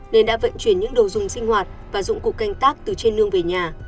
nên đã vận chuyển những đồ dùng sinh hoạt và dụng cụ canh tác từ trên nương về nhà